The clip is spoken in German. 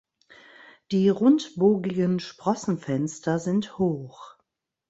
Die rundbogigen Sprossenfenster sind hoch.